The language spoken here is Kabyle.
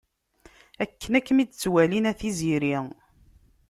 Akken ad kem-id-ttwalin a Tiziri.